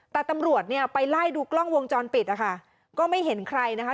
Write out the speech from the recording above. แต่ตำรวจเนี่ยไปไล่ดูกล้องวงจรปิดนะคะก็ไม่เห็นใครนะคะ